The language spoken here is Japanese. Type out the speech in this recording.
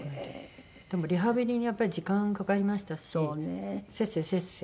でもリハビリにやっぱり時間かかりましたしせっせせっせ。